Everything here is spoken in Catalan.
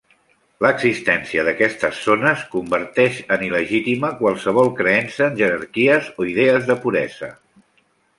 L'existència d'aquestes zones converteix en il·legítima qualsevol creença en jerarquies o idees de puresa.